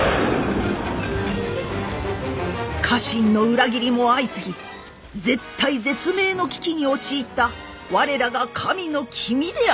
家臣の裏切りも相次ぎ絶体絶命の危機に陥った我らが神の君でありました。